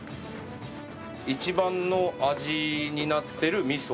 一番の味になってるみそ。